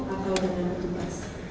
atau dengan petugas